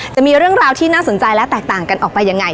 จะมีเรื่องราวที่น่าสนใจและแตกต่างกันออกไปยังไง